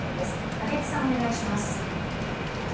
武智さん、お願いします。